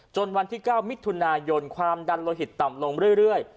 จนวันที่เก้ามิถุนายนความดันโลหิตต่ำลงเรื่อยเรื่อย